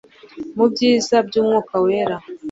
Mubyiza by umwuka wera